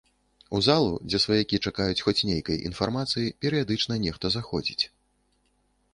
У залу, дзе сваякі чакаюць хоць нейкай інфармацыі, перыядычна нехта заходзіць.